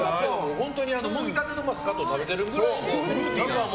本当にもぎたてのマスカットを食べてるぐらいフルーティーな。